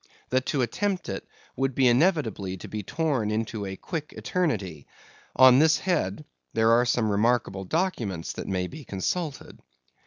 That to attempt it, would be inevitably to be torn into a quick eternity. On this head, there are some remarkable documents that may be consulted.